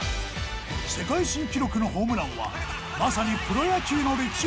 世界新記録のホームランはまさにプロ野球の歴史を変えた出来事。